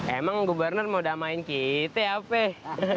emang gubernur mau damain kita ya peh